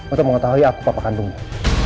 atau mengetahui aku papa kandungnya